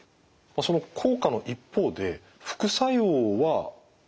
その効果の一方で副作用はどうでしょうか？